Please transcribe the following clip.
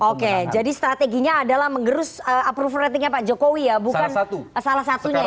oke jadi strateginya adalah mengerus approval ratingnya pak jokowi ya bukan salah satunya ya